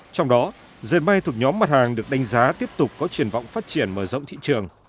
trong đó dệt may thuộc nhóm mặt hàng được đánh giá tiếp tục có triển vọng phát triển mở rộng thị trường